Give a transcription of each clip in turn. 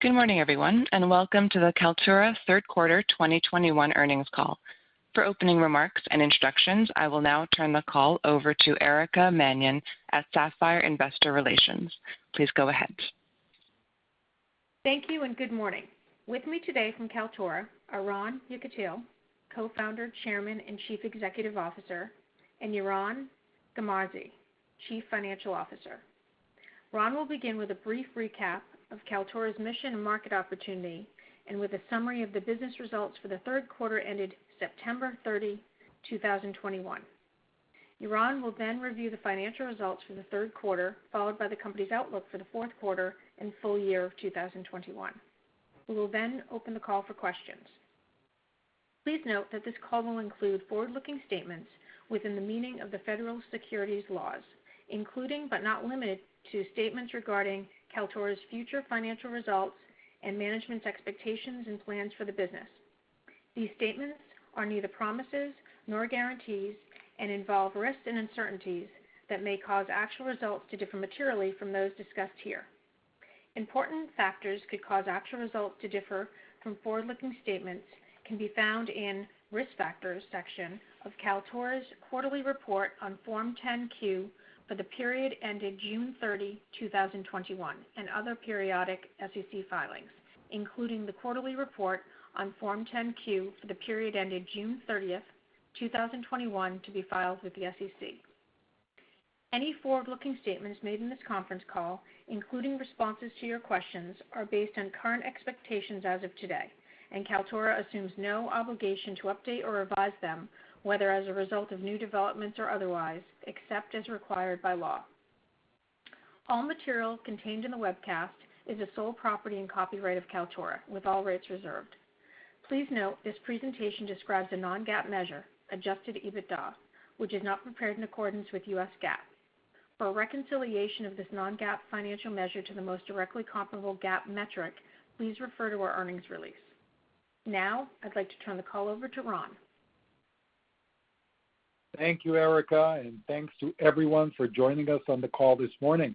Good morning, everyone and welcome to Kaltura Third Quarter 2021 Earnings Call. For opening remarks and introductions, I will now turn the call over to Erica Mannion at Sapphire Investor Relations. Please go ahead. Thank you and good morning. With me today from Kaltura are Ron Yekutiel; Co-founder, Chairman, and Chief Executive Officer, and Yaron Garmazi; Chief Financial Officer. Ron will begin with a brief recap of Kaltura's mission and market opportunity, and with a summary of the business results for the third quarter ended September 30, 2021. Yaron will then review the financial results for the third quarter, followed by the company's outlook for the fourth quarter and full year of 2021. We will then open the call for questions. Please note that this call will include forward-looking statements within the meaning of the federal securities laws, including, but not limited to, statements regarding Kaltura's future financial results and management's expectations and plans for the business. These statements are neither promises nor guarantees and involve risks and uncertainties that may cause actual results to differ materially from those discussed here. Important factors could cause actual results to differ from forward-looking statements, can be found in Risk Factors section of Kaltura's quarterly report on Form 10-Q for the period ended June 30, 2021, and other periodic SEC filings, including the quarterly report on Form 10-Q for the period ended June 30, 2021, to be filed with the SEC. Any forward-looking statements made in this conference call, including responses to your questions, are based on current expectations as of today, and Kaltura assumes no obligation to update or revise them, whether as a result of new developments or otherwise, except as required by law. All material contained in the webcast is the sole property and copyright of Kaltura, with all rights reserved. Please note, this presentation describes a non-GAAP measure, Adjusted EBITDA, which is not prepared in accordance with U.S. GAAP. For a reconciliation of this non-GAAP financial measure to the most directly comparable GAAP metric, please refer to our earnings release. Now, I'd like to turn the call over to Ron. Thank you, Erica, and thanks to everyone for joining us on the call this morning.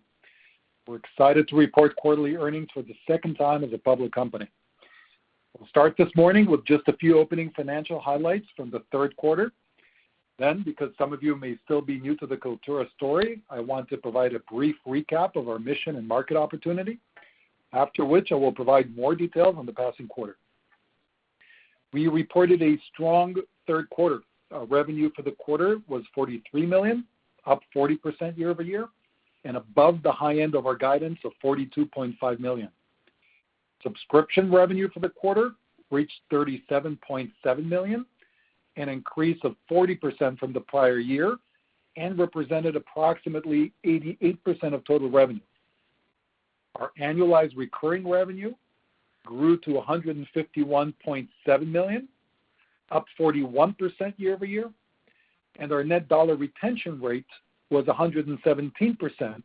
We're excited to report quarterly earnings for the second time as a public company. We'll start this morning with just a few opening financial highlights from the third quarter. Because some of you may still be new to the Kaltura story, I want to provide a brief recap of our mission and market opportunity, after which I will provide more details on the past quarter. We reported a strong third quarter. Revenue for the quarter was $43 million, up 40% year-over-year, and above the high end of our guidance of $42.5 million. Subscription revenue for the quarter reached $37.7 million, an increase of 40% from the prior year and represented approximately 88% of total revenue. Our annualized recurring revenue grew to $151.7 million, up 41% year-over-year, and our net dollar retention rate was 117%,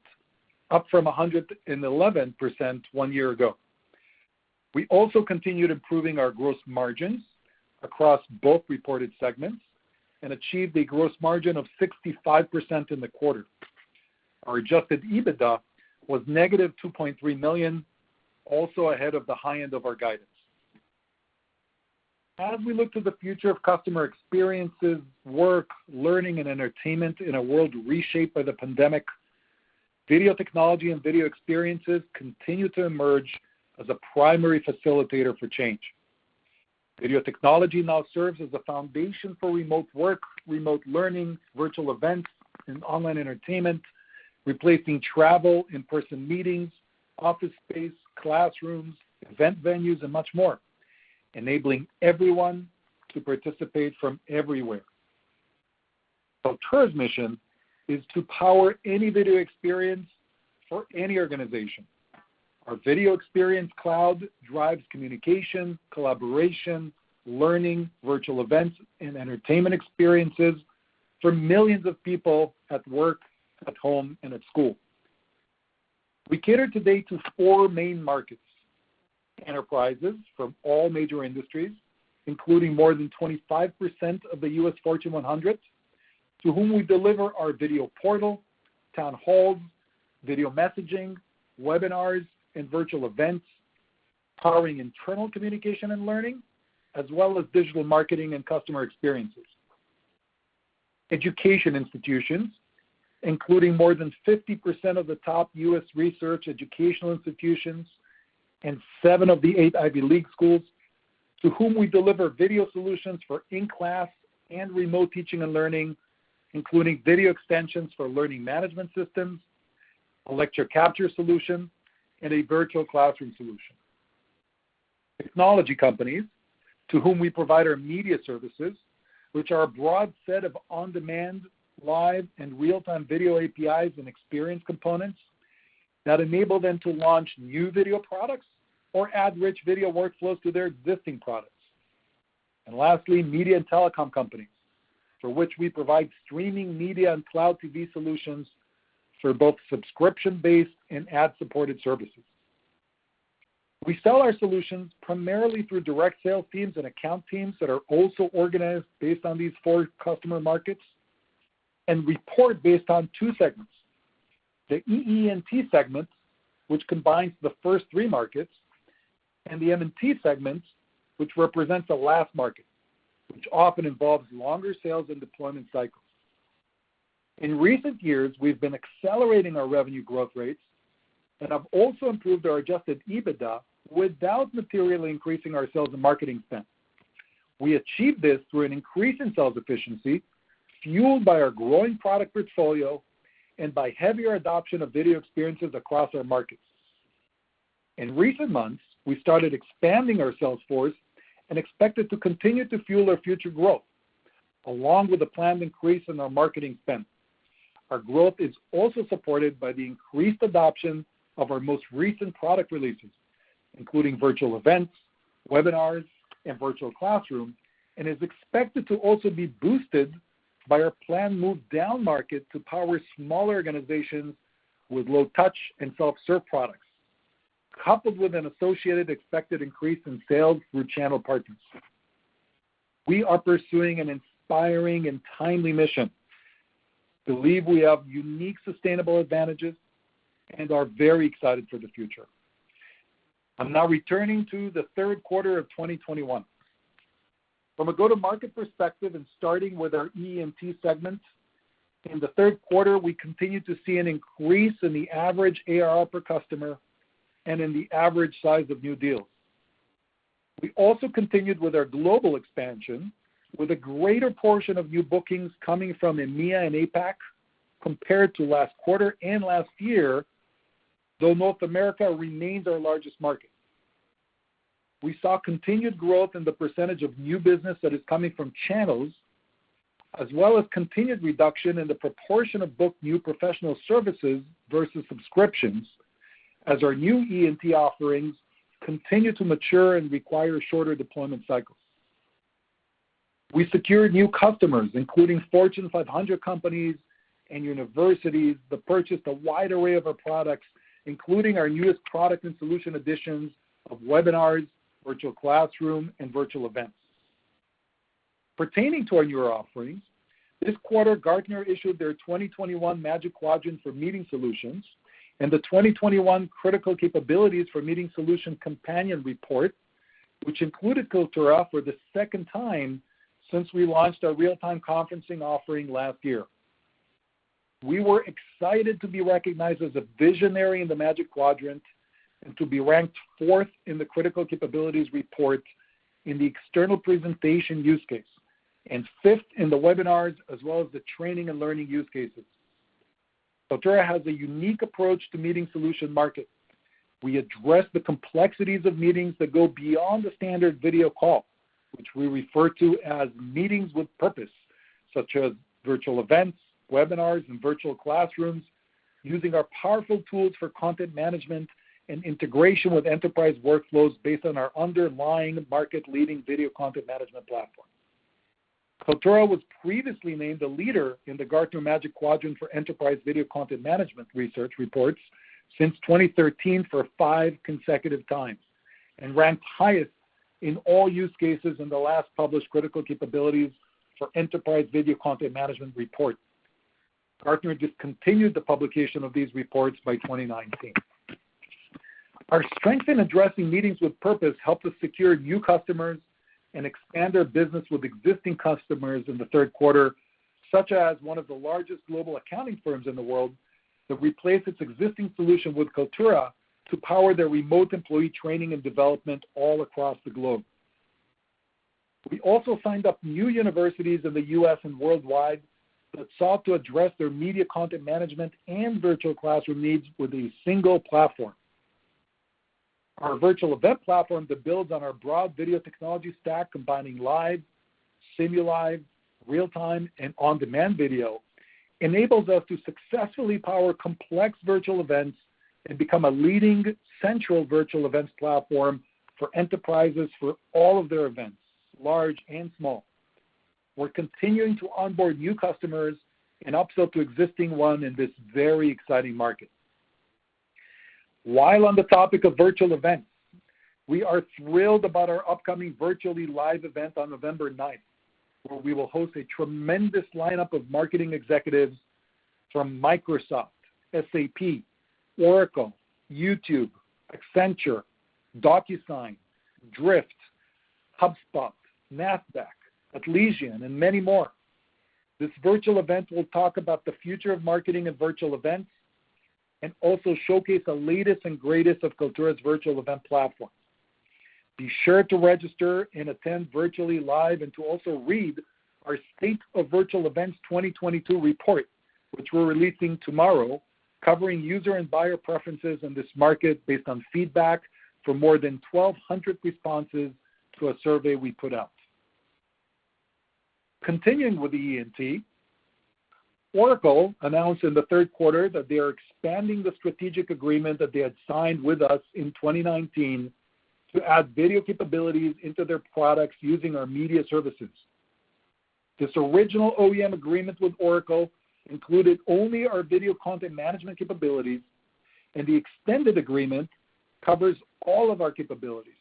up from 111% one year ago. We also continued improving our gross margins across both reported segments and achieved a gross margin of 65% in the quarter. Our adjusted EBITDA was -$2.3 million, also ahead of the high end of our guidance. As we look to the future of customer experiences, work, learning, and entertainment in a world reshaped by the pandemic, video technology and video experiences continue to emerge as a primary facilitator for change. Video technology now serves as the foundation for remote work, remote learning, virtual events, and online entertainment, replacing travel, in-person meetings, office space, classrooms, event venues, and much more, enabling everyone to participate from everywhere. Kaltura's mission is to power any video experience for any organization. Our Video Experience Cloud drives communication, collaboration, learning, virtual events, and entertainment experiences for millions of people at work, at home, and at school. We cater today to four main markets. Enterprises from all major industries, including more than 25% of the U.S. Fortune 100, to whom we deliver our Video Portal, Town Halls, Video Messaging, Webinars, and Virtual Events, powering internal communication and learning, as well as digital marketing and customer experiences. Education institutions, including more than 50% of the top U.S. research educational institutions and seven of the eight Ivy League schools to whom we deliver video solutions for in-class and remote teaching and learning, including video extensions for learning management systems, a Lecture Capture solution, and a virtual classroom solution. Technology companies to whom we provide our media services, which are a broad set of on-demand, live, and real-time video APIs and experience components that enable them to launch new video products or add rich video workflows to their existing products. Lastly, media and telecom companies, for which we provide streaming media and Cloud TV solutions for both subscription-based and ad-supported services. We sell our solutions primarily through direct sales teams and account teams that are also organized based on these four customer markets. We report based on two segments. The EE&T segment, which combines the first three markets, and the M&T segment, which represents the last market, which often involves longer sales and deployment cycles. In recent years, we've been accelerating our revenue growth rates and have also improved our Adjusted EBITDA without materially increasing our sales and marketing spend. We achieved this through an increase in sales efficiency, fueled by our growing product portfolio and by heavier adoption of video experiences across our markets. In recent months, we started expanding our sales force and expect it to continue to fuel our future growth, along with a planned increase in our marketing spend. Our growth is also supported by the increased adoption of our most recent product releases, including Virtual Events, Webinars, and Virtual Classroom, and is expected to also be boosted by our planned move down-market to power smaller organizations with low-touch and self-serve products, coupled with an associated expected increase in sales through channel partners. We are pursuing an inspiring and timely mission. We believe we have unique sustainable advantages and are very excited for the future. I'm now returning to the third quarter of 2021. From a go-to-market perspective and starting with our EE&T segment, in the third quarter, we continued to see an increase in the average ARR per customer and in the average size of new deals. We also continued with our global expansion with a greater portion of new bookings coming from EMEA and APAC compared to last quarter and last year, though North America remains our largest market. We saw continued growth in the percentage of new business that is coming from channels, as well as continued reduction in the proportion of booked new professional services versus subscriptions as our new EE&T offerings continue to mature and require shorter deployment cycles. We secured new customers, including Fortune 500 companies and universities that purchased a wide array of our products, including our newest product and solution additions of Webinars, virtual classroom, and Virtual Events. Pertaining to our newer offerings, this quarter, Gartner issued their 2021 Magic Quadrant for Meeting Solutions and the 2021 Critical Capabilities for Meeting Solution companion report, which included Kaltura for the second time since we launched our real-time conferencing offering last year. We were excited to be recognized as a visionary in the Magic Quadrant and to be ranked fourth in the Critical Capabilities report in the external presentation use case and fifth in the webinars as well as the training and learning use cases. Kaltura has a unique approach to meeting solution market. We address the complexities of meetings that go beyond the standard video call, which we refer to as meetings with purpose, such as virtual events, webinars, and virtual classrooms, using our powerful tools for content management and integration with enterprise workflows based on our underlying market-leading video content management platform. Kaltura was previously named a leader in the Gartner Magic Quadrant for Enterprise Video Content Management research reports since 2013 for five consecutive times and ranked highest in all use cases in the last published Critical Capabilities for Enterprise Video Content Management report. Gartner discontinued the publication of these reports by 2019. Our strength in addressing meetings with purpose helped us secure new customers and expand our business with existing customers in the third quarter, such as one of the largest global accounting firms in the world that replaced its existing solution with Kaltura to power their remote employee training and development all across the globe. We also signed up new universities in the U.S. and worldwide that sought to address their media content management and virtual classroom needs with a single platform. Our virtual event platform that builds on our broad video technology stack, combining live, simulive, real-time, and on-demand video, enables us to successfully power complex virtual events and become a leading central virtual events platform for enterprises for all of their events, large and small. We're continuing to onboard new customers and upsell to existing ones in this very exciting market. While on the topic of virtual events, we are thrilled about our upcoming Virtually Live event on November ninth, where we will host a tremendous lineup of marketing executives from Microsoft, SAP, Oracle, YouTube, Accenture, DocuSign, Drift, HubSpot, Nasdaq, Atlassian, and many more. This virtual event will talk about the future of marketing and virtual events and also showcase the latest and greatest of Kaltura's virtual event platform. Be sure to register and attend Virtually Live and to also read our State of Virtual Events 2022 report, which we're releasing tomorrow, covering user and buyer preferences in this market based on feedback from more than 1,200 responses to a survey we put out. Continuing with EE&T, Oracle announced in the third quarter that they are expanding the strategic agreement that they had signed with us in 2019 to add video capabilities into their products using our Media Services. This original OEM agreement with Oracle included only our video content management capabilities, and the extended agreement covers all of our capabilities,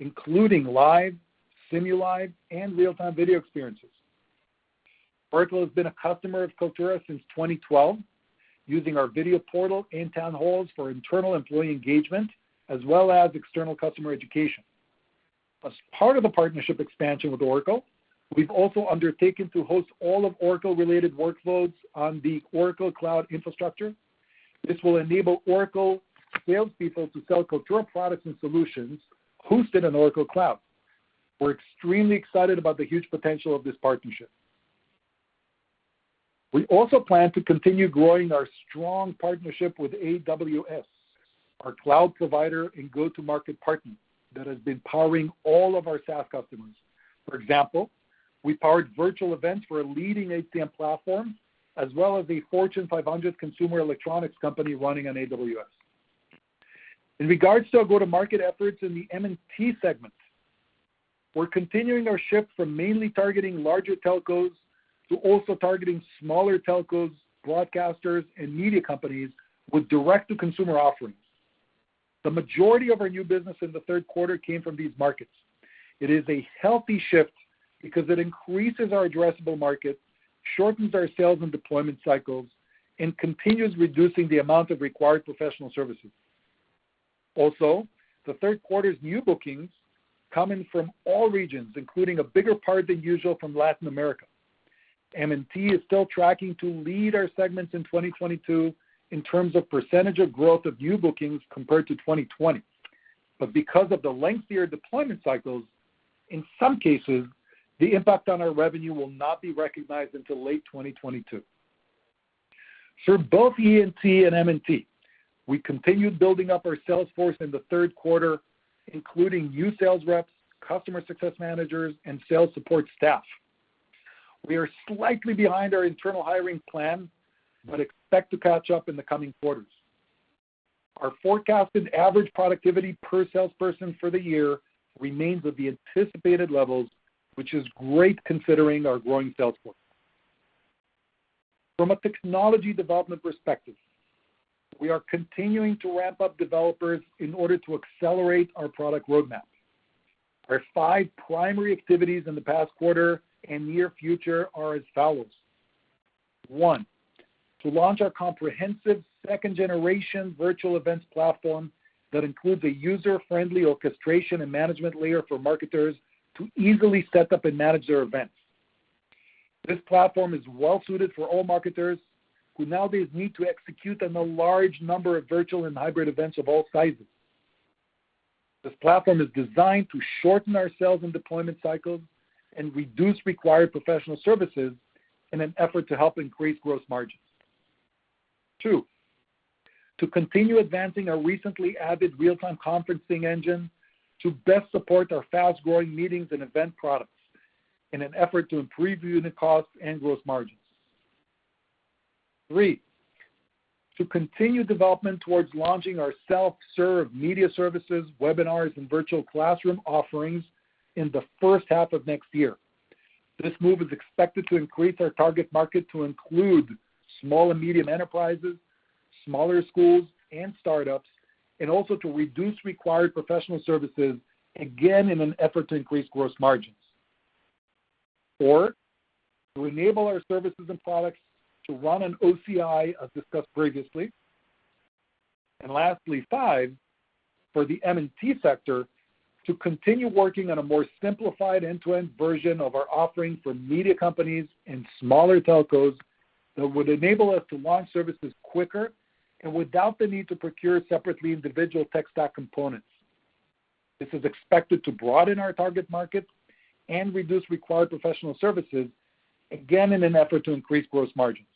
including live, simulive, and real-time video experiences. Oracle has been a customer of Kaltura since 2012, using our Video Portal and Town Halls for internal employee engagement as well as external customer education. As part of the partnership expansion with Oracle, we've also undertaken to host all of Oracle-related workloads on the Oracle Cloud infrastructure. This will enable Oracle sales people to sell Kaltura products and solutions hosted on Oracle Cloud. We're extremely excited about the huge potential of this partnership. We also plan to continue growing our strong partnership with AWS, our cloud provider and go-to-market partner that has been powering all of our SaaS customers. For example, we powered virtual events for a leading ATM platform, as well as the Fortune 500 consumer electronics company running on AWS. In regards to our go-to-market efforts in the M&T segment, we're continuing our shift from mainly targeting larger telcos to also targeting smaller telcos, broadcasters, and media companies with direct-to-consumer offerings. The majority of our new business in the third quarter came from these markets. It is a healthy shift because it increases our addressable market, shortens our sales and deployment cycles, and continues reducing the amount of required professional services. Also, the third quarter's new bookings come in from all regions, including a bigger part than usual from Latin America. M&T is still tracking to lead our segments in 2022 in terms of percentage of growth of new bookings compared to 2020. Because of the lengthier deployment cycles, in some cases, the impact on our revenue will not be recognized until late 2022. For both E&T and M&T, we continued building up our sales force in the third quarter, including new sales reps, customer success managers, and sales support staff. We are slightly behind our internal hiring plan, but expect to catch up in the coming quarters. Our forecasted average productivity per salesperson for the year remains at the anticipated levels, which is great considering our growing sales force. From a technology development perspective, we are continuing to ramp up developers in order to accelerate our product roadmap. Our five primary activities in the past quarter and near future are as follows. One, to launch our comprehensive second-generation virtual events platform that includes a user-friendly orchestration and management layer for marketers to easily set up and manage their events. This platform is well suited for all marketers who nowadays need to execute on a large number of virtual and hybrid events of all sizes. This platform is designed to shorten our sales and deployment cycles and reduce required professional services in an effort to help increase gross margins. Two, to continue advancing our recently added real-time conferencing engine to best support our fast-growing meetings and event products in an effort to improve unit costs and gross margins. Three, to continue development towards launching our self-serve media services, webinars, and virtual classroom offerings in the first half of next year. This move is expected to increase our target market to include small and medium enterprises, smaller schools and startups, and also to reduce required professional services, again, in an effort to increase gross margins. Four, to enable our services and products to run on OCI, as discussed previously. Lastly, five, for the M&T sector, to continue working on a more simplified end-to-end version of our offering for media companies and smaller telcos that would enable us to launch services quicker and without the need to procure separately individual tech stack components. This is expected to broaden our target market and reduce required professional services, again, in an effort to increase gross margins.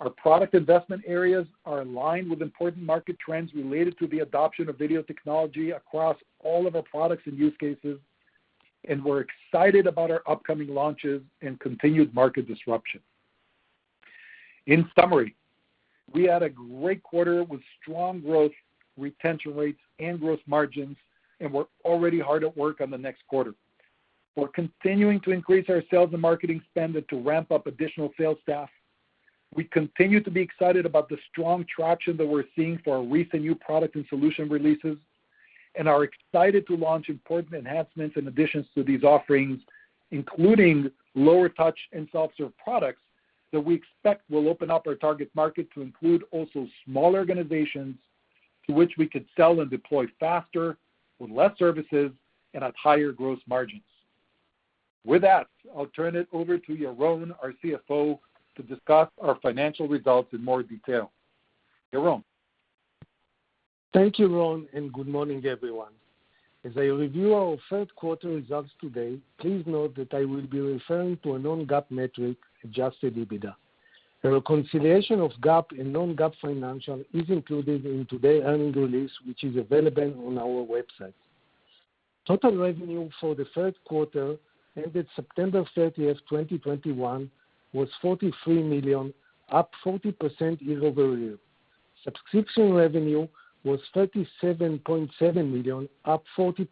Our product investment areas are aligned with important market trends related to the adoption of video technology across all of our products and use cases, and we're excited about our upcoming launches and continued market disruption. In summary, we had a great quarter with strong growth, retention rates, and gross margins, and we're already hard at work on the next quarter. We're continuing to increase our sales and marketing spend and to ramp up additional sales staff. We continue to be excited about the strong traction that we're seeing for our recent new product and solution releases, and are excited to launch important enhancements and additions to these offerings, including lower touch and self-serve products that we expect will open up our target market to include also smaller organizations to which we could sell and deploy faster with less services and at higher gross margins. With that, I'll turn it over to Yaron, our CFO, to discuss our financial results in more detail. Yaron? Thank you, Ron and good morning, everyone. As I review our third quarter results today, please note that I will be referring to a non-GAAP metric, adjusted EBITDA. The reconciliation of GAAP and non-GAAP financial is included in today's earnings release, which is available on our website. Total revenue for the third quarter ended September 30, 2021 was $43 million, up 40% year-over-year. Subscription revenue was $37.7 million, up 40%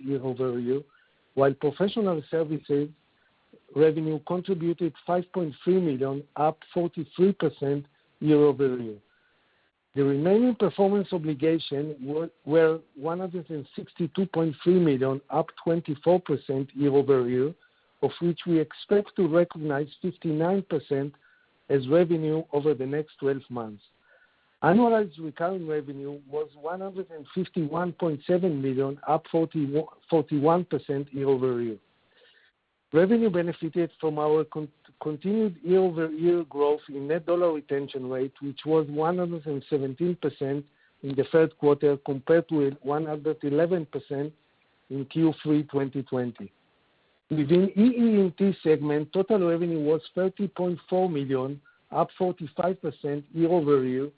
year-over-year, while professional services revenue contributed $5.3 million, up 43% year-over-year. The remaining performance obligation were $162.3 million, up 24% year-over-year, of which we expect to recognize 59% as revenue over the next 12 months. Annualized recurring revenue was $151.7 million, up 41% year-over-year. Revenue benefited from our continued year-over-year growth in net dollar retention rate, which was 117% in the third quarter compared to 111% in Q3 2020. Within EE&T segment, total revenue was $30.4 million, up 45% year-over-year.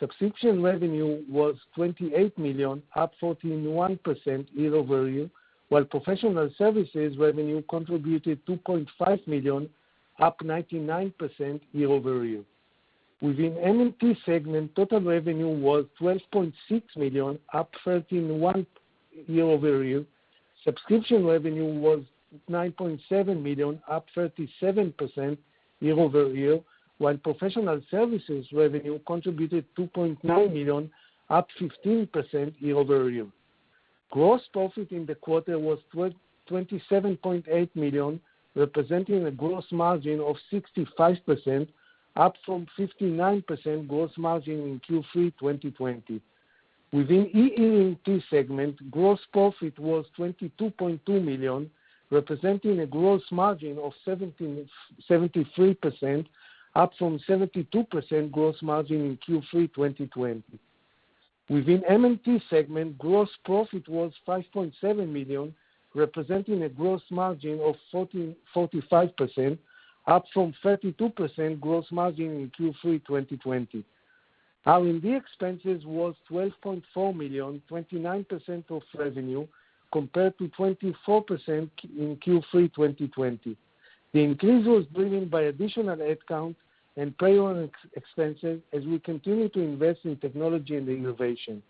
Subscription revenue was $28 million, up 41% year-over-year, while professional services revenue contributed $2.5 million, up 99% year-over-year. Within M&T segment, total revenue was $12.6 million, up 13.1% year-over-year. Subscription revenue was $9.7 million, up 37% year-over-year, while professional services revenue contributed $2.9 million, up 15% year-over-year. Gross profit in the quarter was $27.8 million, representing a gross margin of 65%, up from 59% gross margin in Q3 2020. Within EE&T segment, gross profit was $22.2 million, representing a gross margin of 73%, up from 72% gross margin in Q3 2020. Within M&T segment, gross profit was $5.7 million, representing a gross margin of 45%, up from 32% gross margin in Q3 2020. Our R&D expenses was $12.4 million, 29% of revenue compared to 24% in Q3 2020. The increase was driven by additional headcounts and payroll expenses as we continue to invest in technology and innovation.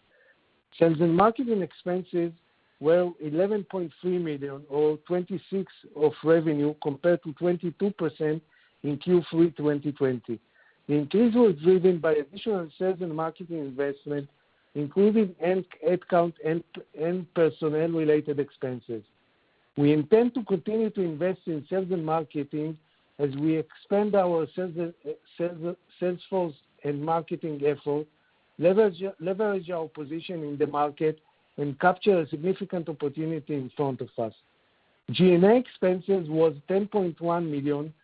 Sales and marketing expenses were $11.3 million or 26% of revenue compared to 22% in Q3 2020. The increase was driven by additional sales and marketing investment, including headcount and personnel-related expenses. We intend to continue to invest in sales and marketing as we expand our sales force and marketing effort, leverage our position in the market and capture a significant opportunity in front of us. G&A expenses was $10.1 million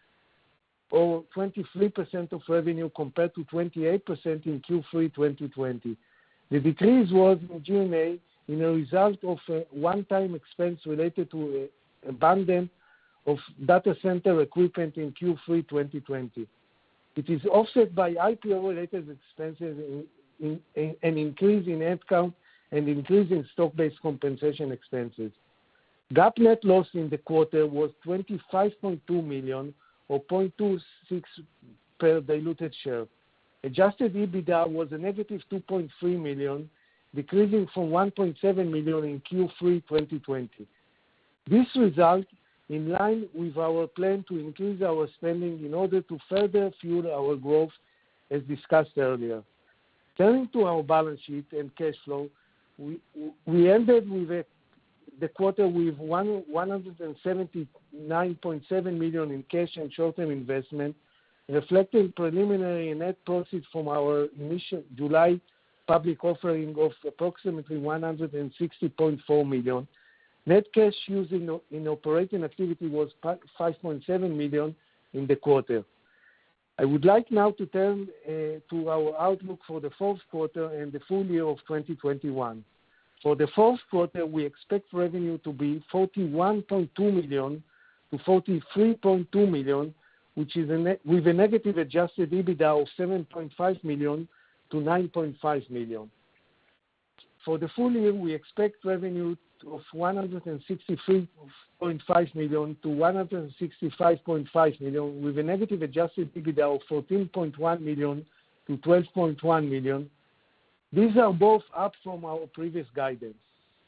or 23% of revenue compared to 28% in Q3 2020. The decrease was in G&A as a result of a one-time expense related to the abandonment of data center equipment in Q3 2020. It is offset by IPO-related expenses and increase in headcount and increase in stock-based compensation expenses. GAAP net loss in the quarter was $25.2 million or $0.26 per diluted share. Adjusted EBITDA was negative $2.3 million, decreasing from $1.7 million in Q3 2020. This is in line with our plan to increase our spending in order to further fuel our growth as discussed earlier. Turning to our balance sheet and cash flow, we ended the quarter with $179.7 million in cash and short-term investments, reflecting preliminary net proceeds from our initial public offering in July of approximately $160.4 million. Net cash used in operating activities was $5.7 million in the quarter. I would like now to turn to our outlook for the fourth quarter and the full year of 2021. For the fourth quarter, we expect revenue to be $41.2 million-$43.2 million with a negative Adjusted EBITDA of $7.5 million to $9.5 million. For the full year, we expect revenue of $163.5 million-$165.5 million with a negative Adjusted EBITDA of $14.1 million to $12.1 million. These are both up from our previous guidance.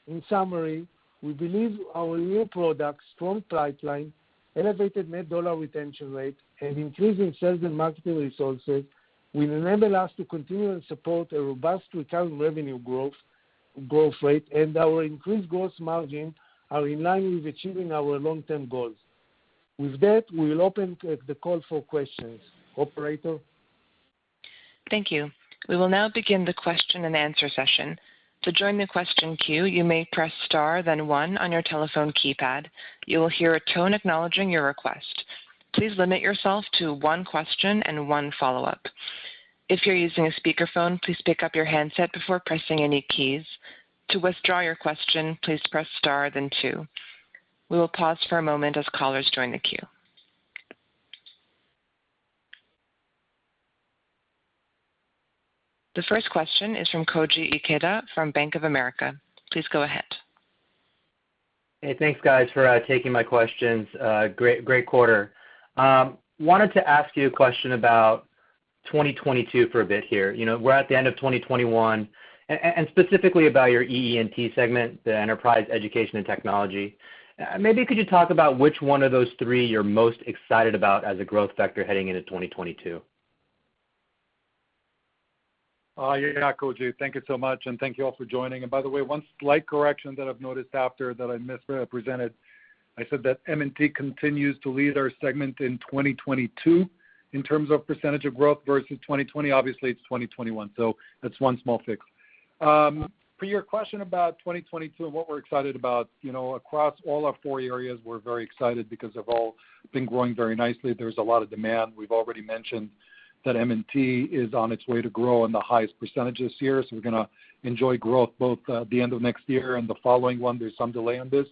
In summary, we believe our new products, strong pipeline, elevated net dollar retention rate, and increasing sales and marketing resources will enable us to continue and support a robust recurring revenue growth rate, and our increased gross margin are in line with achieving our long-term goals. With that, we will open the call for questions. Operator? Thank you. We will now begin the question and answer session. To join the question queue, you may press star then one on your telephone keypad. You will hear a tone acknowledging your request. Please limit yourself to one question and one follow-up. If you're using a speakerphone, please pick up your handset before pressing any keys. To withdraw your question, please press star then two. We will pause for a moment as callers join the queue. The first question is from Koji Ikeda from Bank of America. Please go ahead. Hey, thanks guys for taking my questions. Great quarter. Wanted to ask you a question about 2022 for a bit here. You know, we're at the end of 2021, and specifically about your EE&T segment, the enterprise, education, and technology. Maybe could you talk about which one of those three you're most excited about as a growth vector heading into 2022? Yeah, Koji, thank you so much and thank you all for joining. By the way, one slight correction that I've noticed after that I misrepresented. I said that M&T continues to lead our segment in 2022 in terms of percentage of growth versus 2020. Obviously, it's 2021, so that's one small fix. For your question about 2022 and what we're excited about, you know, across all our four areas, we're very excited because they've all been growing very nicely. There's a lot of demand. We've already mentioned that M&T is on its way to grow in the highest percentages here, so we're gonna enjoy growth both the end of next year and the following one. There's some delay on this,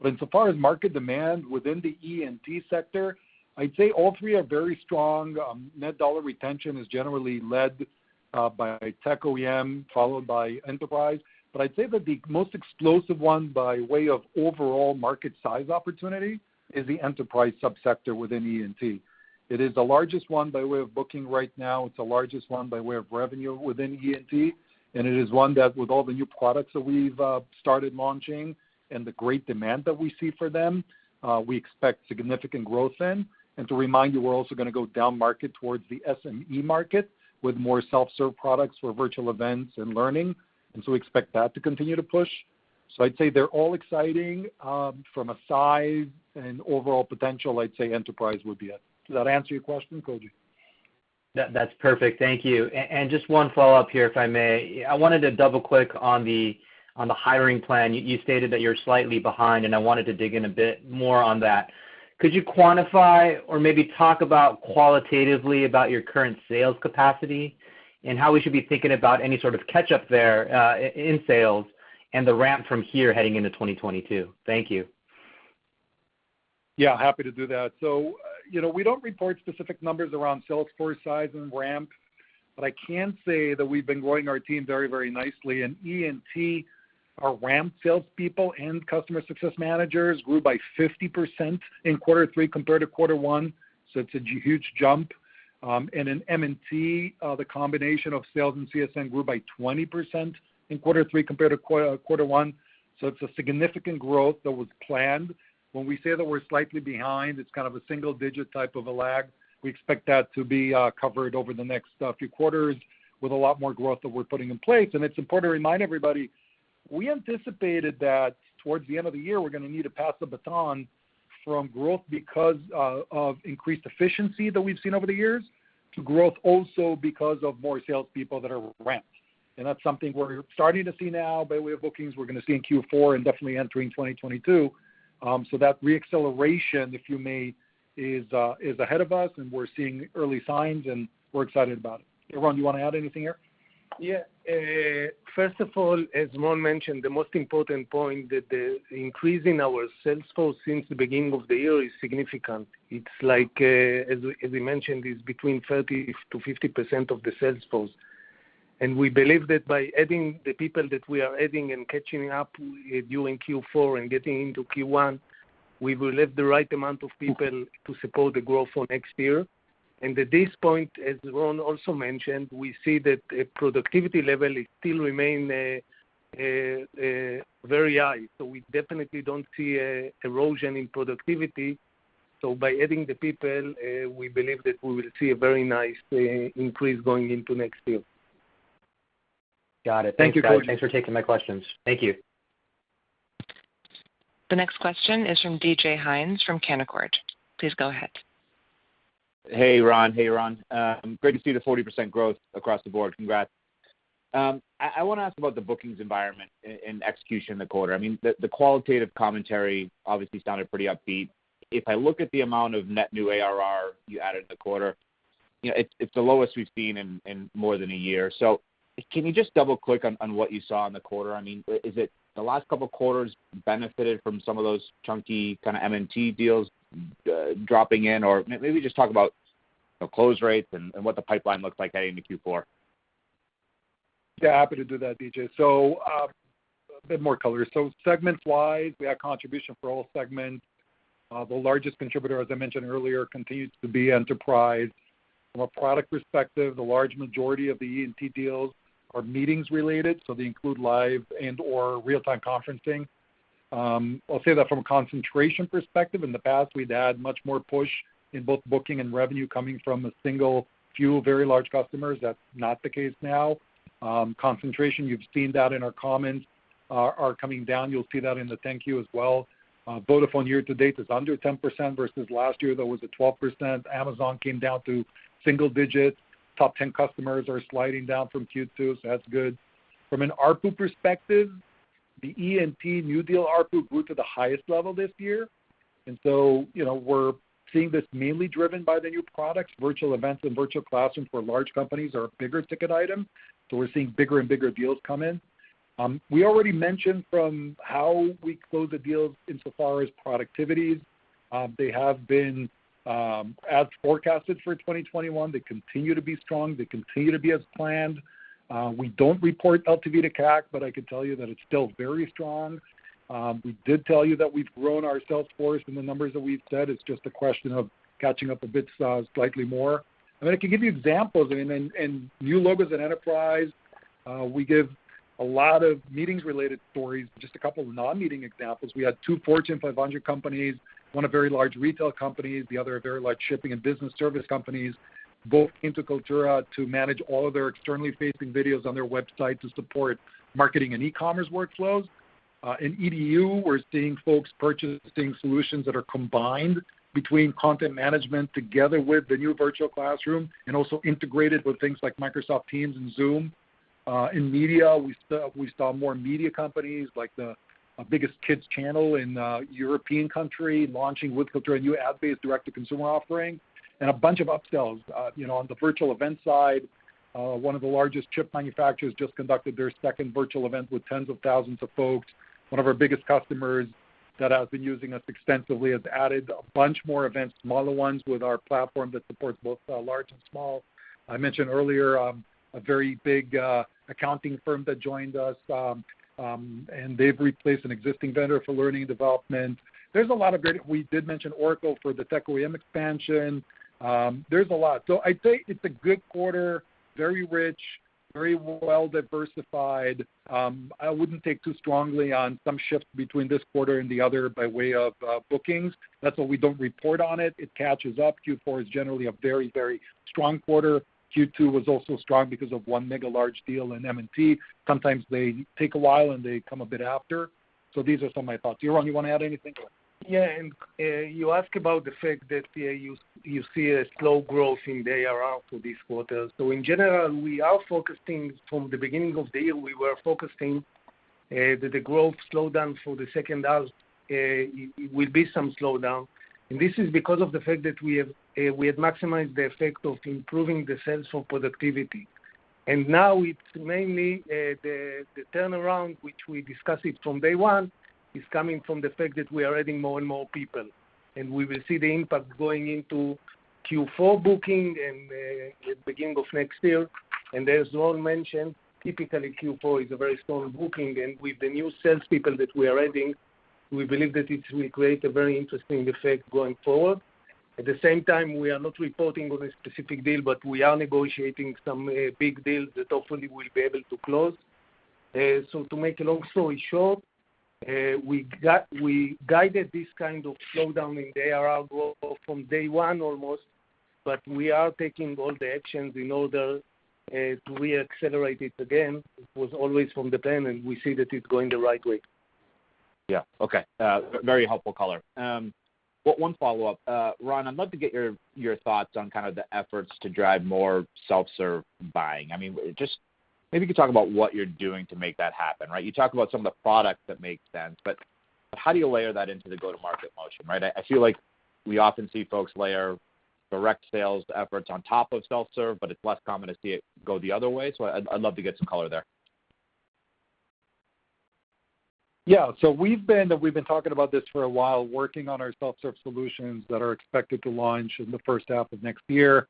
but insofar as market demand within the E&T sector, I'd say all three are very strong. Net dollar retention is generally led by tech OEM, followed by enterprise. I'd say that the most explosive one by way of overall market size opportunity is the enterprise subsector within E&T. It is the largest one by way of booking right now. It's the largest one by way of revenue within E&T, and it is one that with all the new products that we've started launching and the great demand that we see for them, we expect significant growth in. To remind you, we're also gonna go down market towards the SME market with more self-serve products for virtual events and learning, and so we expect that to continue to push. I'd say they're all exciting, from a size and overall potential, I'd say enterprise would be it. Does that answer your question, Koji? That's perfect. Thank you. Just one follow-up here, if I may. I wanted to double-click on the hiring plan. You stated that you're slightly behind, and I wanted to dig in a bit more on that. Could you quantify or maybe talk about qualitatively your current sales capacity and how we should be thinking about any sort of catch-up there in sales and the ramp from here heading into 2022? Thank you. Yeah, happy to do that. You know, we don't report specific numbers around sales force size and ramp, but I can say that we've been growing our team very, very nicely. In E&T, our ramp salespeople and customer success managers grew by 50% in quarter three compared to quarter one, so it's a huge jump. In M&T, the combination of sales and CSM grew by 20% in quarter three compared to quarter one, so it's a significant growth that was planned. When we say that we're slightly behind, it's kind of a single digit type of a lag. We expect that to be covered over the next few quarters with a lot more growth that we're putting in place. It's important to remind everybody, we anticipated that towards the end of the year, we're gonna need to pass the baton from growth because of increased efficiency that we've seen over the years, to growth also because of more salespeople that are ramped. That's something we're starting to see now by way of bookings, we're gonna see in Q4 and definitely entering 2022. That re-acceleration, if you may, is ahead of us and we're seeing early signs and we're excited about it. Yaron, you wanna add anything here? Yeah. First of all, as Ron mentioned, the most important point that the increase in our sales force since the beginning of the year is significant. It's like, as we mentioned, is between 30%-50% of the sales force. We believe that by adding the people that we are adding and catching up during Q4 and getting into Q1, we will have the right amount of people to support the growth for next year. At this point, as Ron also mentioned, we see that productivity level still remain very high. We definitely don't see a erosion in productivity. By adding the people, we believe that we will see a very nice increase going into next year. Got it. Thank you, guys. Thanks, Koji. Thanks for taking my questions. Thank you. The next question is from DJ Hynes from Canaccord Genuity. Please go ahead. Hey, Ron. Great to see the 40% growth across the board. Congrats. I wanna ask about the bookings environment and execution in the quarter. I mean, the qualitative commentary obviously sounded pretty upbeat. If I look at the amount of net new ARR you added in the quarter, you know, it's the lowest we've seen in more than a year. So can you just double-click on what you saw in the quarter? I mean, is it the last couple of quarters benefited from some of those chunky kind of M&T deals dropping in? Or maybe just talk about, you know, close rates and what the pipeline looks like heading to Q4? Yeah, happy to do that, DJ. A bit more color. Segment-wise, we have contribution for all segments. The largest contributor, as I mentioned earlier, continues to be Enterprise. From a product perspective, the large majority of the E&T deals are meetings related, so they include live and/or real-time conferencing. I'll say that from a concentration perspective, in the past, we'd had much more push in both booking and revenue coming from a single few very large customers. That's not the case now. Concentration, you've seen that in our comments, are coming down. You'll see that in the 10-Q as well. Vodafone year to date is under 10% versus last year, that was at 12%. Amazon came down to single digits. Top 10 customers are sliding down from Q2, so that's good. From an ARPU perspective, the E&T new deal ARPU grew to the highest level this year. You know, we're seeing this mainly driven by the new products. Virtual events and virtual classrooms for large companies are a bigger ticket item, so we're seeing bigger and bigger deals come in. We already mentioned from how we close the deals insofar as productivities. They have been, as forecasted for 2021, they continue to be strong. They continue to be as planned. We don't report LTV to CAC, but I can tell you that it's still very strong. We did tell you that we've grown our sales force in the numbers that we've said. It's just a question of catching up a bit, slightly more. I mean, I can give you examples. I mean new logos and enterprise. We have a lot of meeting-related stories, just a couple of non-meeting examples. We had two Fortune 500 companies, one a very large retail company, the other a very large shipping and business service company, both turned to Kaltura to manage all of their externally facing videos on their website to support marketing and e-commerce workflows. In EDU, we're seeing folks purchasing solutions that are combined between content management together with the new virtual classroom and also integrated with things like Microsoft Teams and Zoom. In media, we saw more media companies like the biggest kids channel in a European country launching with Kaltura a new ad-based direct-to-consumer offering and a bunch of upsells. You know, on the virtual event side, one of the largest chip manufacturers just conducted their second virtual event with tens of thousands of folks. One of our biggest customers that has been using us extensively has added a bunch more events, smaller ones with our platform that supports both large and small. I mentioned earlier, a very big accounting firm that joined us, and they've replaced an existing vendor for learning and development. We did mention Oracle for the Tech OEM expansion. There's a lot. I'd say it's a good quarter, very rich, very well-diversified. I wouldn't take too strongly on some shifts between this quarter and the other by way of bookings. That's why we don't report on it. It catches up. Q4 is generally a very, very strong quarter. Q2 was also strong because of one mega large deal in M&T. Sometimes they take a while, and they come a bit after. These are some of my thoughts. Yaron, you want to add anything? Yeah. You ask about the fact that you see a slow growth in ARR for this quarter. In general, from the beginning of the year, we were focusing that the growth slowdown for the second half will be some slowdown. This is because of the fact that we have maximized the effect of improving the sense of productivity. Now it's mainly the turnaround, which we discuss it from day one, is coming from the fact that we are adding more and more people. We will see the impact going into Q4 booking and the beginning of next year. As Ron mentioned, typically, Q4 is a very strong booking, and with the new salespeople that we are adding, we believe that it will create a very interesting effect going forward. At the same time, we are not reporting on a specific deal, but we are negotiating some big deals that hopefully we'll be able to close. To make a long story short, we guided this kind of slowdown in ARR growth from day one almost, but we are taking all the actions in order to reaccelerate it again. It was always from the plan, and we see that it's going the right way. Yeah. Okay. Very helpful color. One follow-up. Ron, I'd love to get your thoughts on kind of the efforts to drive more self-serve buying. I mean, just maybe you could talk about what you're doing to make that happen, right? You talk about some of the products that make sense, but how do you layer that into the go-to-market motion, right? I feel like we often see folks layer direct sales efforts on top of self-serve, but it's less common to see it go the other way. I'd love to get some color there. Yeah. We've been talking about this for a while, working on our self-serve solutions that are expected to launch in the first half of next year.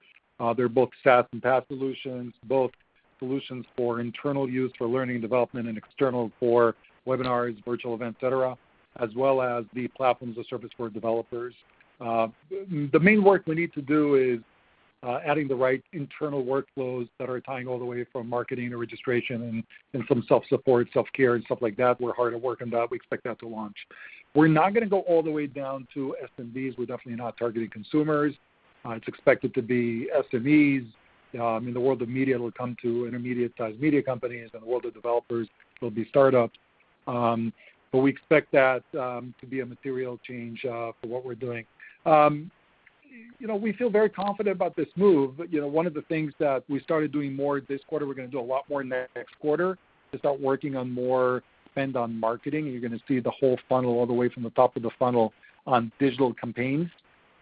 They're both SaaS and PaaS solutions, both solutions for internal use for learning and development and external for Webinars, Virtual Events, et cetera, as well as the platform as a service for developers. The main work we need to do is adding the right internal workflows that are tying all the way from marketing to registration and some self-service, support and stuff like that. We're hard at work on that. We expect that to launch. We're not gonna go all the way down to SMBs. We're definitely not targeting consumers. It's expected to be SMEs. In the world of media, it'll come to intermediate-sized media companies. In the world of developers, it'll be startups. We expect that to be a material change for what we're doing. You know, we feel very confident about this move. You know, one of the things that we started doing more this quarter, we're gonna do a lot more next quarter, is start working on more spend on marketing. You're gonna see the whole funnel all the way from the top of the funnel on digital campaigns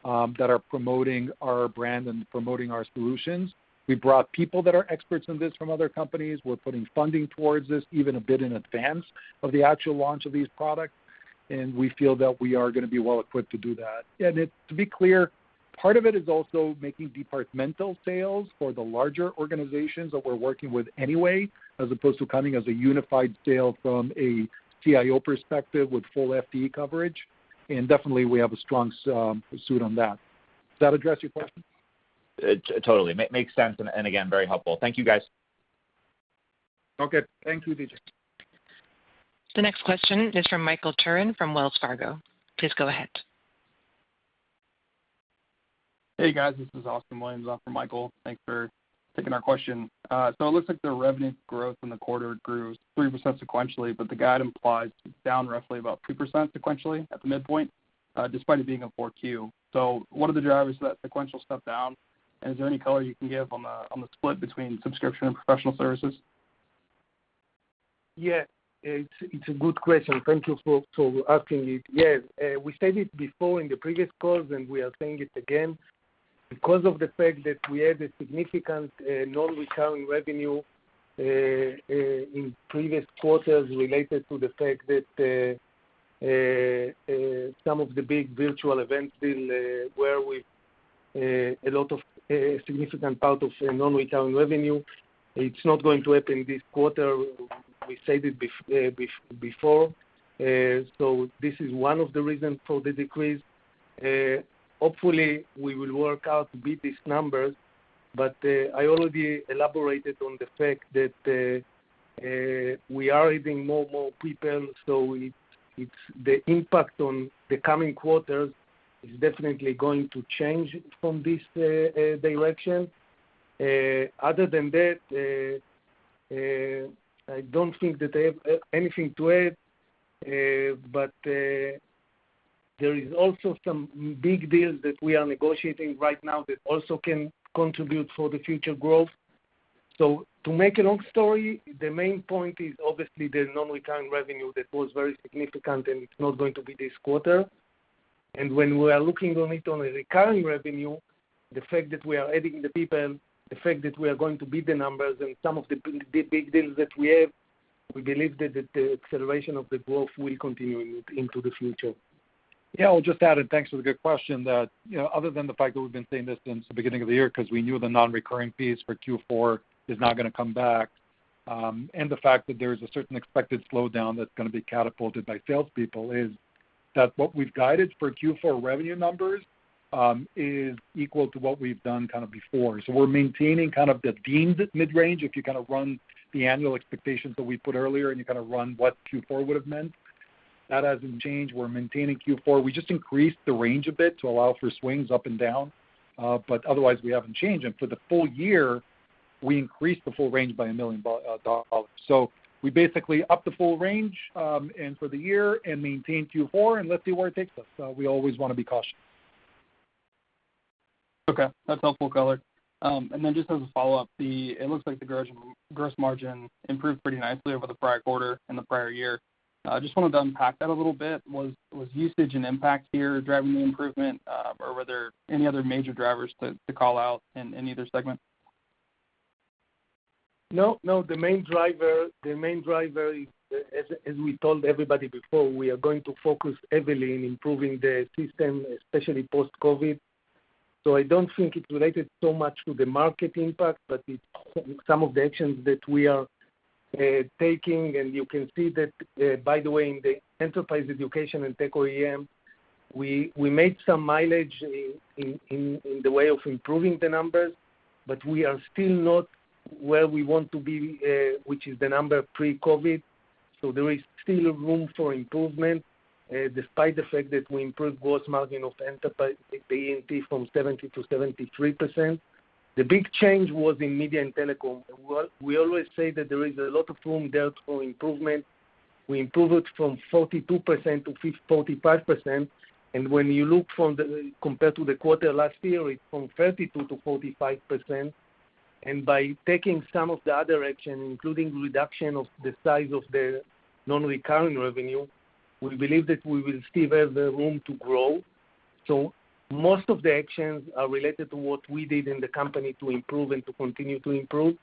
that are promoting our brand and promoting our solutions. We brought people that are experts in this from other companies. We're putting funding towards this even a bit in advance of the actual launch of these products, and we feel that we are gonna be well equipped to do that. To be clear, part of it is also making departmental sales for the larger organizations that we're working with anyway, as opposed to coming as a unified sale from a CIO perspective with full FTE coverage. Definitely, we have a strong pursuit on that. Does that address your question? Totally. Makes sense and again, very helpful. Thank you, guys. Okay. Thank you, DJ. The next question is from Michael Turrin from Wells Fargo. Please go ahead. Hey, guys. This is Austin Williams in for Michael. Thanks for taking our question. It looks like the revenue growth in the quarter grew 3% sequentially, but the guide implies it's down roughly about 2% sequentially at the midpoint, despite it being a Q4. What are the drivers for that sequential step down? Is there any color you can give on the split between subscription and professional services? Yeah. It's a good question. Thank you for asking it. Yes. We said it before in the previous calls, and we are saying it again. Because of the fact that we had a significant non-recurring revenue in previous quarters related to the fact that some of the big Virtual Events in their, were we—a lot of significant part of [inaudible] revenue, it's not going to happen this quarter. We said it before. This is one of the reasons for the decrease. Hopefully we will work out to beat these numbers, but I already elaborated on the fact that we are adding more and more people, so it's the impact on the coming quarters is definitely going to change from this direction. Other than that, I don't think that I have anything to add. But there is also some big deals that we are negotiating right now that also can contribute for the future growth. To make a long story, the main point is obviously the non-recurring revenue that was very significant, and it's not going to be this quarter. When we are looking at it on a recurring revenue, the fact that we are adding the people, the fact that we are going to beat the numbers and some of the big deals that we have, we believe that the acceleration of the growth will continue into the future. Yeah, I'll just add, and thanks for the good question, that, you know, other than the fact that we've been saying this since the beginning of the year, 'cause we knew the non-recurring fees for Q4 is not gonna come back, and the fact that there's a certain expected slowdown that's gonna be catapulted by salespeople is that what we've guided for Q4 revenue numbers is equal to what we've done kind of before. So we're maintaining kind of the deemed mid-range. If you kind of run the annual expectations that we put earlier, and you kind of run what Q4 would have meant, that hasn't changed. We're maintaining Q4. We just increased the range a bit to allow for swings up and down, but otherwise we haven't changed. For the full year, we increased the full range by million up. We basically upped the full range, and for the year and maintained Q4, and let's see where it takes us. We always wanna be cautious. Okay, that's helpful color. Just as a follow-up, it looks like the gross margin improved pretty nicely over the prior quarter and the prior year. Just wanted to unpack that a little bit. Was usage and impact here driving the improvement, or were there any other major drivers to call out in either segment? No, no. The main driver is, as we told everybody before, we are going to focus heavily in improving the system, especially post-COVID. I don't think it's related so much to the market impact, but it's some of the actions that we are taking. You can see that, by the way, in the enterprise education and tech OEM, we made some mileage in the way of improving the numbers, but we are still not where we want to be, which is the number pre-COVID. There is still room for improvement, despite the fact that we improved gross margin of Enterprise E&T from 70%-73%. The big change was in Media and Telecom. We always say that there is a lot of room there for improvement. We improved from 42% to 45%. When you look compared to the quarter last year, it's from 32% to 45%. By taking some of the other actions, including reduction of the size of the non-recurring revenue, we believe that we will still have the room to grow. Most of the actions are related to what we did in the company to improve and to continue to improve.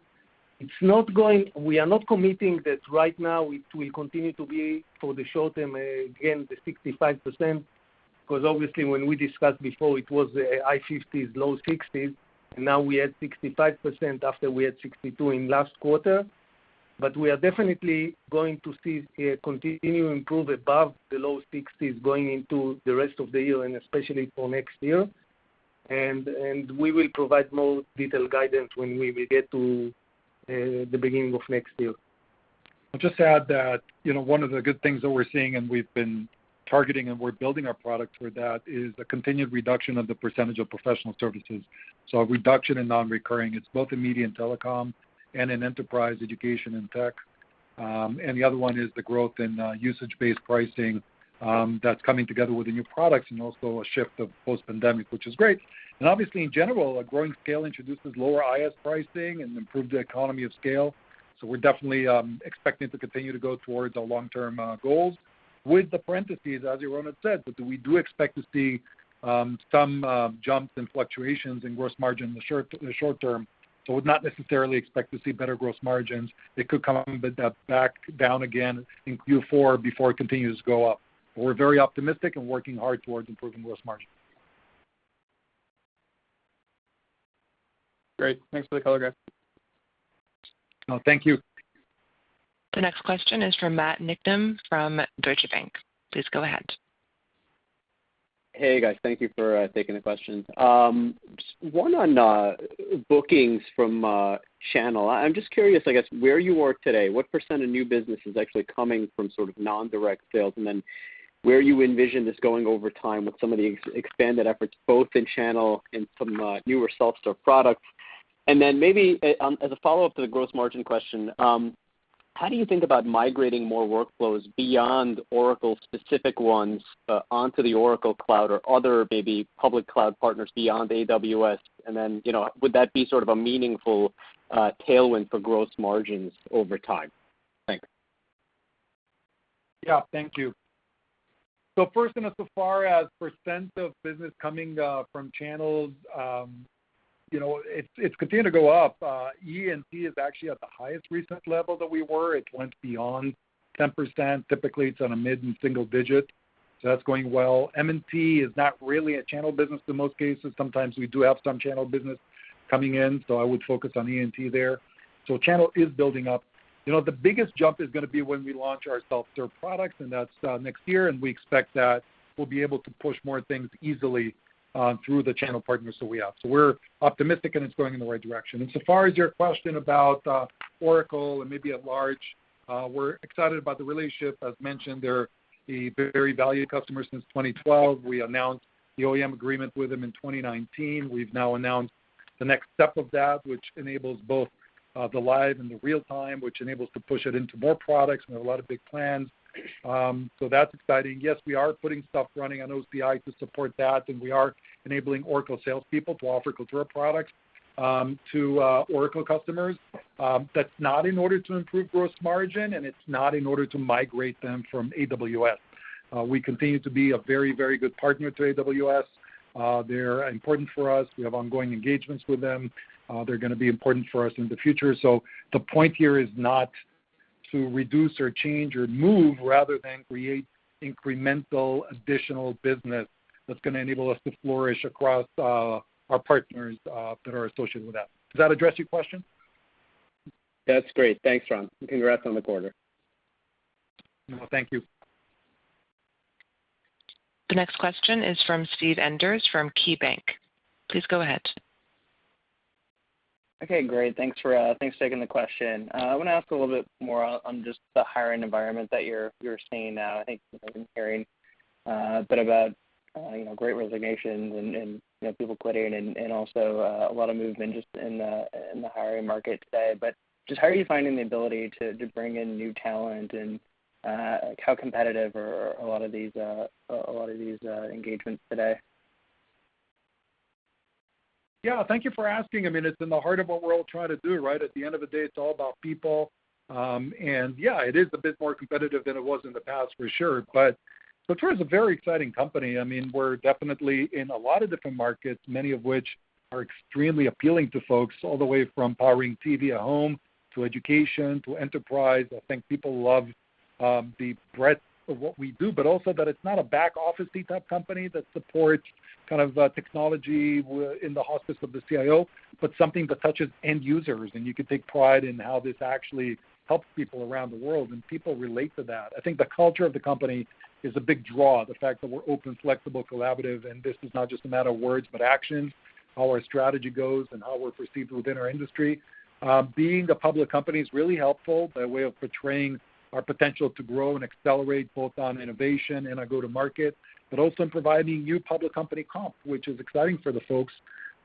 We are not committing that right now it will continue to be for the short term, again, the 65%, because obviously when we discussed before, it was the high 60s, low 60s, and now we at 65% after we had 62% in last quarter. We are definitely going to see continue to improve above the low 60s% going into the rest of the year and especially for next year. We will provide more detailed guidance when we will get to the beginning of next year. I'll just add that one of the good things that we're seeing and we've been targeting and we're building our product for that is a continued reduction of the percentage of professional services. A reduction in non-recurring, it's both in Media and Telecom and in Enterprise, Education, and Technology. The other one is the growth in usage-based pricing that's coming together with the new products and also a shift post-pandemic, which is great. Obviously in general, a growing scale introduces lower IaaS pricing and improved economy of scale. We're definitely expecting to continue to go towards our long-term goals with the parentheses, as Yaron had said, that we do expect to see some jumps and fluctuations in gross margin in the short term. We would not necessarily expect to see better gross margins. It could come up, but then back down again in Q4 before it continues to go up. We're very optimistic and working hard towards improving gross margin. Great. Thanks for the color, guys. No, thank you. The next question is from Matt Niknam from Deutsche Bank. Please go ahead. Hey, guys. Thank you for taking the questions. One on bookings from channel. I'm just curious, I guess, where you are today. What percent of new business is actually coming from sort of non-direct sales? And then where you envision this going over time with some of the expanded efforts both in channel and some newer self-serve products? And then maybe as a follow-up to the gross margin question, how do you think about migrating more workflows beyond Oracle-specific ones onto the Oracle Cloud or other maybe public cloud partners beyond AWS? And then, you know, would that be sort of a meaningful tailwind for gross margins over time? Thanks. Yeah. Thank you. First, as far as percent of business coming from channels, you know, it's continuing to go up. EE&T is actually at the highest recent level that we were. It went beyond 10%. Typically, it's in the mid- and single-digit. That's going well. M&T is not really a channel business in most cases. Sometimes we do have some channel business coming in, so I would focus on EE&T there. Channel is building up. You know, the biggest jump is gonna be when we launch our self-serve products, and that's next year, and we expect that we'll be able to push more things easily through the channel partners that we have. We're optimistic, and it's going in the right direction. As far as your question about Oracle and maybe at large, we're excited about the relationship. As mentioned, they're a very valued customer since 2012. We announced the OEM agreement with them in 2019. We've now announced the next step of that, which enables both the live and the real-time, which enables to push it into more products. We have a lot of big plans. That's exciting. Yes, we are putting stuff running on OCI to support that, and we are enabling Oracle salespeople to offer Kaltura products to Oracle customers. That's not in order to improve gross margin, and it's not in order to migrate them from AWS. We continue to be a very, very good partner to AWS. They're important for us. We have ongoing engagements with them. They're gonna be important for us in the future. The point here is not to reduce or change or move rather than create incremental additional business that's gonna enable us to flourish across, our partners, that are associated with that. Does that address your question? That's great. Thanks, Ron. Congrats on the quarter. Well, thank you. The next question is from Steven Enders from KeyBanc. Please go ahead. Okay. Great. Thanks for taking the question. I wanna ask a little bit more on just the hiring environment that you're seeing now. I think I've been hearing a bit about you know, great resignations and you know, people quitting and also a lot of movement just in the hiring market today. Just how are you finding the ability to bring in new talent, and like, how competitive are a lot of these engagements today? Yeah, thank you for asking. I mean, it's in the heart of what we're all trying to do, right? At the end of the day, it's all about people. Yeah, it is a bit more competitive than it was in the past, for sure. Kaltura is a very exciting company. I mean, we're definitely in a lot of different markets, many of which are extremely appealing to folks, all the way from powering TV at home, to education, to enterprise. I think people love the breadth of what we do, but also that it's not a back office-y type company that supports kind of technology in the auspices of the CIO, but something that touches end users, and you can take pride in how this actually helps people around the world, and people relate to that. I think the culture of the company is a big draw, the fact that we're open, flexible, collaborative, and this is not just a matter of words, but actions, how our strategy goes and how we're perceived within our industry. Being a public company is really helpful by way of portraying our potential to grow and accelerate both on innovation and our go-to-market, but also in providing new public company comp, which is exciting for the folks.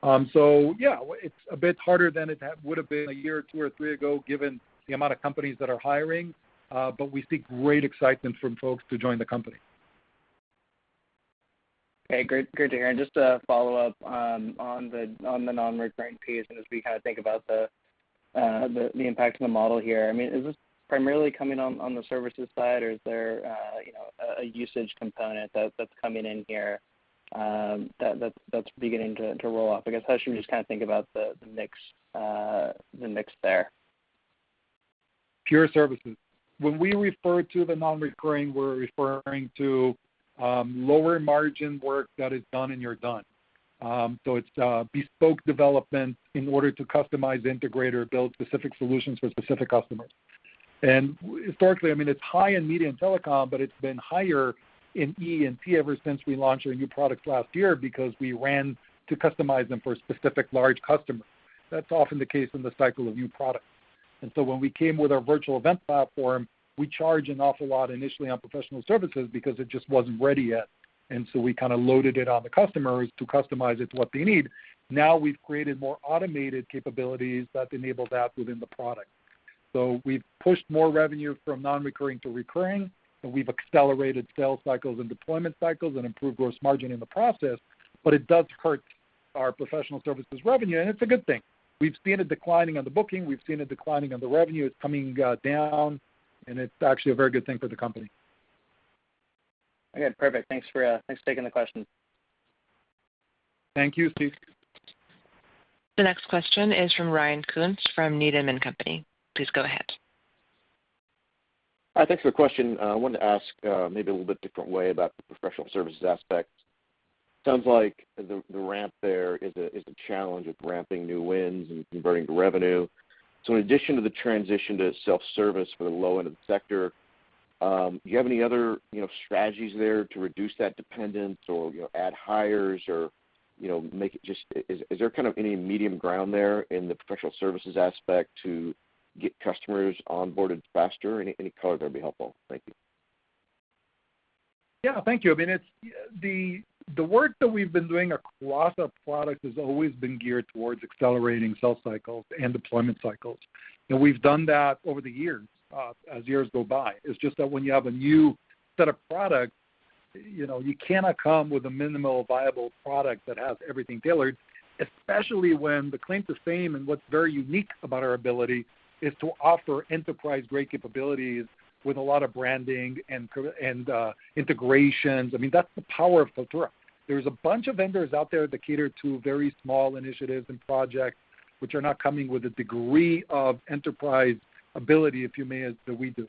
Yeah, it's a bit harder than it would have been a year or two or three ago, given the amount of companies that are hiring, but we see great excitement from folks to join the company. Okay. Great to hear. Just to follow up on the non-recurring piece and as we kind of think about the impact of the model here. I mean, is this primarily coming on the services side, or is there, you know, a usage component that's coming in here that's beginning to roll out? I guess, how should we just kind of think about the mix there? Pure services. When we refer to the non-recurring, we're referring to lower margin work that is done and you're done. It's bespoke development in order to customize, integrate, or build specific solutions for specific customers. Historically, I mean, it's high in media and telecom, but it's been higher in E and T ever since we launched our new products last year because we had to customize them for a specific large customer. That's often the case in the cycle of new products. When we came with our virtual event platform, we charged an awful lot initially on professional services because it just wasn't ready yet. We kind of loaded it on the customers to customize it to what they need. Now we've created more automated capabilities that enable that within the product. We've pushed more revenue from non-recurring to recurring, and we've accelerated sales cycles and deployment cycles and improved gross margin in the process, but it does hurt our professional services revenue, and it's a good thing. We've seen it declining on the booking, we've seen it declining on the revenue. It's coming down, and it's actually a very good thing for the company. Okay. Perfect. Thanks for taking the question. Thank you, Steve. The next question is from Ryan Koontz from Needham & Company. Please go ahead. Hi. Thanks for the question. I wanted to ask, maybe a little bit different way about the professional services aspect. Sounds like the ramp there is a challenge with ramping new wins and converting to revenue. In addition to the transition to self-service for the low end of the sector, do you have any other, you know, strategies there to reduce that dependence or, you know, add hires or, you know, make it just. Is there kind of any medium ground there in the professional services aspect to get customers onboarded faster? Any color there would be helpful. Thank you. Yeah, thank you. I mean, it's the work that we've been doing across our product has always been geared towards accelerating sales cycles and deployment cycles. We've done that over the years as years go by. It's just that when you have a new set of products, you know, you cannot come with a minimal viable product that has everything tailored, especially when the claim to fame and what's very unique about our ability is to offer enterprise-grade capabilities with a lot of branding and integrations. I mean, that's the power of Kaltura. There's a bunch of vendors out there that cater to very small initiatives and projects which are not coming with a degree of enterprise ability, if you may, as we do.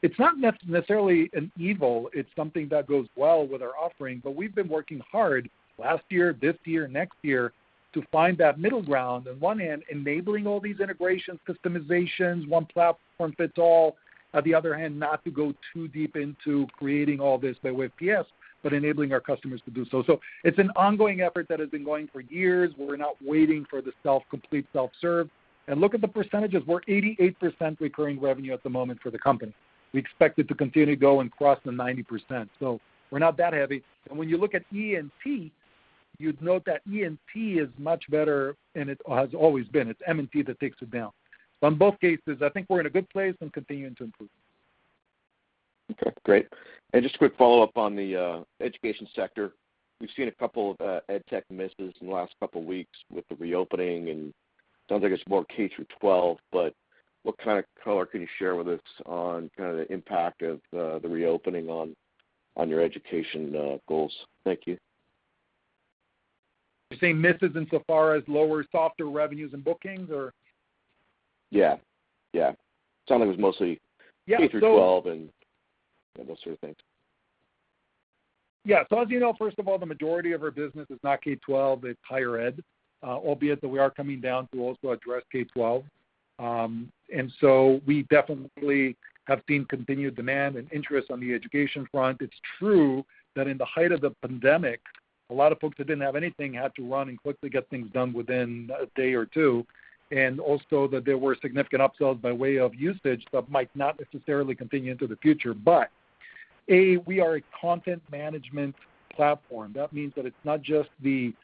It's not necessarily an evil, it's something that goes well with our offering. We've been working hard last year, this year, next year, to find that middle ground. On one hand, enabling all these integrations, customizations, one platform fits all. On the other hand, not to go too deep into creating all this by way of PS, but enabling our customers to do so. It's an ongoing effort that has been going for years. We're not waiting for the self, complete self-serve. Look at the percentages. We're 88% recurring revenue at the moment for the company. We expect it to continue to go and cross the 90%. We're not that heavy. When you look at E&T, you'd note that E&T is much better, and it has always been. It's M&T that takes it down. In both cases, I think we're in a good place and continuing to improve. Okay, great. Just a quick follow-up on the education sector. We've seen a couple EdTech misses in the last couple weeks with the reopening, and it sounds like it's more K-12, but what kind of color can you share with us on kind of the impact of the reopening on your education goals? Thank you. You're saying misses in so far as lower softer revenues and bookings, or? Yeah, it sounded like it was mostly— Yeah, so— K-12 and, you know, those sort of things. Yeah. As you know, first of all, the majority of our business is not K-12, it's higher ed, albeit that we are coming down to also address K-12. And so, we definitely have seen continued demand and interest on the education front. It's true that in the height of the pandemic, a lot of folks that didn't have anything had to run and quickly get things done within a day or two, and also that there were significant upsells by way of usage that might not necessarily continue into the future. But, a we are a content management platform. That means that it's not just the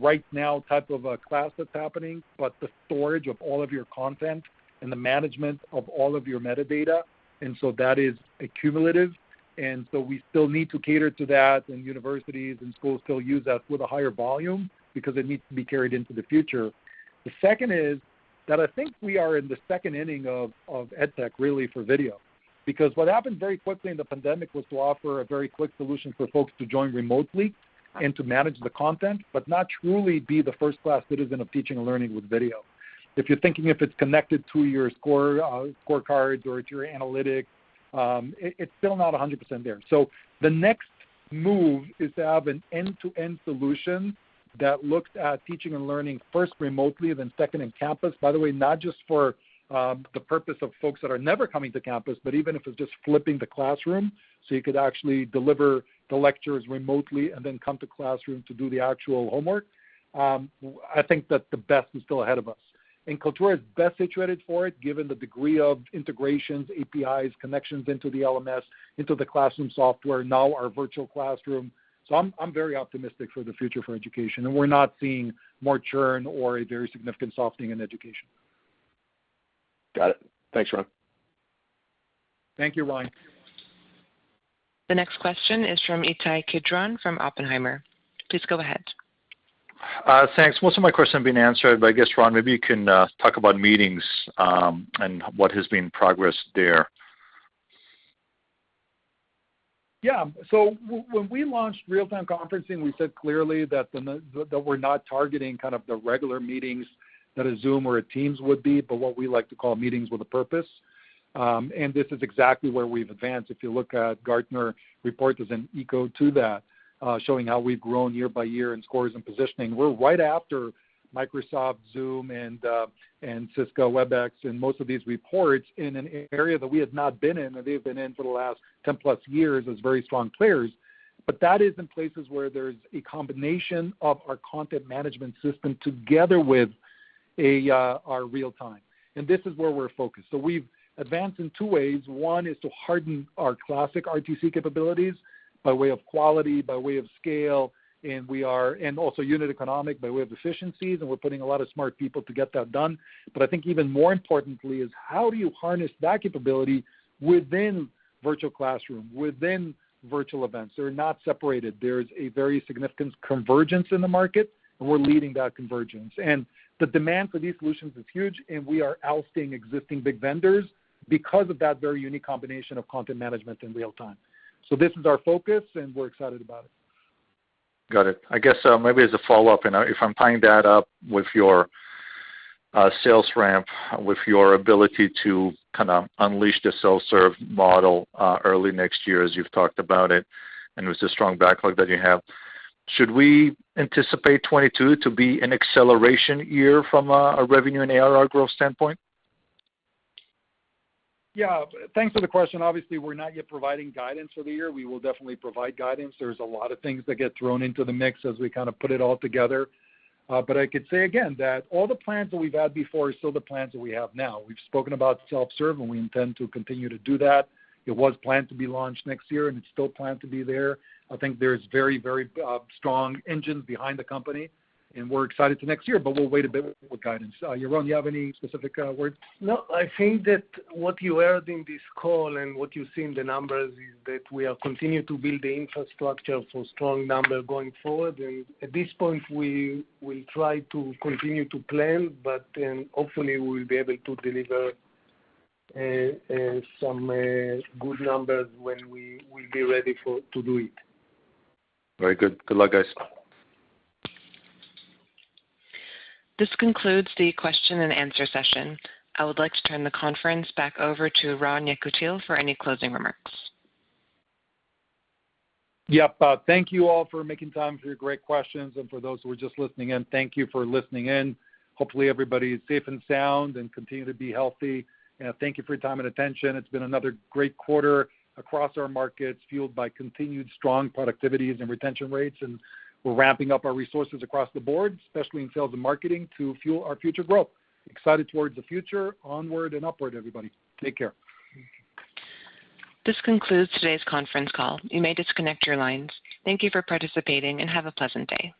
right now type of a class that's happening, but the storage of all of your content and the management of all of your metadata, and so that is accumulative. We still need to cater to that, and universities and schools still use us with a higher volume because it needs to be carried into the future. The second is that I think we are in the second inning of EdTech really for video. What happened very quickly in the pandemic was to offer a very quick solution for folks to join remotely and to manage the content, but not truly be the first-class citizen of teaching and learning with video. If you're thinking if it's connected to your scorecards or to your analytics, it's still not 100% there. The next move is to have an end-to-end solution that looks at teaching and learning first remotely, then second in campus. By the way, not just for the purpose of folks that are never coming to campus, but even if it's just flipping the classroom, so you could actually deliver the lectures remotely and then come to classroom to do the actual homework. I think that the best is still ahead of us. Kaltura is best situated for it given the degree of integrations, APIs, connections into the LMS, into the classroom software, now our virtual classroom. I'm very optimistic for the future for education, and we're not seeing more churn or a very significant softening in education. Got it. Thanks, Ron. Thank you, Ryan. The next question is from Ittai Kidron from Oppenheimer. Please go ahead. Thanks. Most of my question have been answered, but I guess, Ron, maybe you can talk about meetings and what has been progress there? Yeah. When we launched real-time conferencing, we said clearly that that we're not targeting kind of the regular meetings that a Zoom or a Teams would be, but what we like to call meetings with a purpose. This is exactly where we've advanced. If you look at Gartner report, there's an echo to that, showing how we've grown year by year in scores and positioning. We're right after Microsoft, Zoom, and Cisco Webex in most of these reports in an area that we had not been in, that they've been in for the last 10+ years as very strong players. That is in places where there's a combination of our content management system together with our real-time, and this is where we're focused. We've advanced in two ways. One is to harden our classic RTC capabilities by way of quality, by way of scale, and also unit economics by way of efficiencies, and we're putting a lot of smart people to get that done. I think even more importantly is how do you harness that capability within virtual classroom, within Virtual Events? They're not separated. There's a very significant convergence in the market, and we're leading that convergence. The demand for these solutions is huge, and we are ousting existing big vendors because of that very unique combination of content management in real time. This is our focus, and we're excited about it. Got it. I guess, maybe as a follow-up and, if I'm tying that up with your sales ramp, with your ability to kind of unleash the self-serve model, early next year as you've talked about it, and with the strong backlog that you have, should we anticipate 2022 to be an acceleration year from a revenue and ARR growth standpoint? Yeah. Thanks for the question. Obviously, we're not yet providing guidance for the year. We will definitely provide guidance. There's a lot of things that get thrown into the mix as we kind of put it all together. I could say again that all the plans that we've had before are still the plans that we have now. We've spoken about self-serve, and we intend to continue to do that. It was planned to be launched next year, and it's still planned to be there. I think there's very strong engines behind the company, and we're excited for next year, but we'll wait a bit with guidance. Yaron, you have any specific words? No. I think that what you heard in this call and what you see in the numbers is that we are continue to build the infrastructure for strong number going forward. At this point, we will try to continue to plan, but hopefully we'll be able to deliver some good numbers when we will be ready to do it. Very good. Good luck, guys. This concludes the question and answer session. I would like to turn the conference back over to Ron Yekutiel for any closing remarks. Yep. Thank you all for making time for your great questions. For those who are just listening in, thank you for listening in. Hopefully, everybody is safe and sound and continue to be healthy. Thank you for your time and attention. It's been another great quarter across our markets, fueled by continued strong productivities and retention rates. We're ramping up our resources across the board, especially in sales and marketing, to fuel our future growth. Excited towards the future. Onward and upward, everybody. Take care. This concludes today's conference call. You may disconnect your lines. Thank you for participating, and have a pleasant day.